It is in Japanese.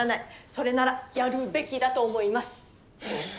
それならやるべきだと思います。